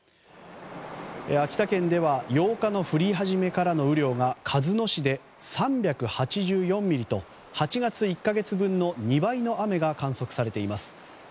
秋田県では８日の降り始めからの雨量が雨量が鹿角市で３８４ミリと８月１か月分の２倍の雨が観測されています。